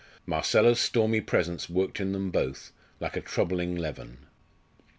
Marcella's stormy presence worked in them both, like a troubling leaven.